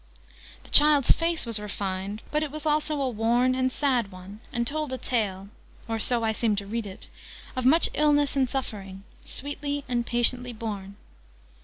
The child's face was refined, but it was also a worn and sad one, and told a tale (or so I seemed to read it) of much illness and suffering, sweetly and patiently borne.